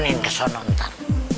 gue satronin kesana ntar